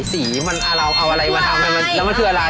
สีมันเราเอาอะไรมาทำแล้วมันคืออะไร